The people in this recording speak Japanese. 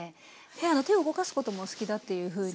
手を動かすこともお好きだっていうふうに。